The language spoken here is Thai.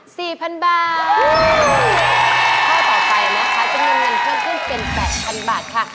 ข้อต่อไปนะคะจนเงินมันเพิ่มขึ้นเป็น๘๐๐๐บาทค่ะ